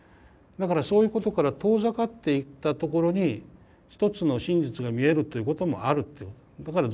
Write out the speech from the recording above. だからそういうことから遠ざかっていったところに一つの真実が見えるということもあるっていうこと。